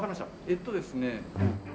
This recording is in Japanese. えっとですね。